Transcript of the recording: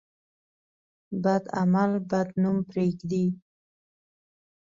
بد عمل بد نوم پرېږدي.